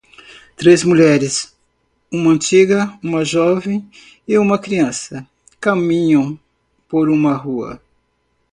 Três mulheres? uma antiga? uma jovem e uma criança? caminham por uma rua.